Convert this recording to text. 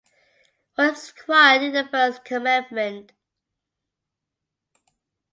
What is required in the first commandment?